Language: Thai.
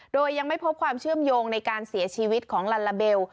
โดยยังไม่พบความเชื่อมโยงในการเสียชีวิตของลัลลาเบล